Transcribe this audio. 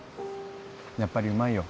やっぱりうまいよ。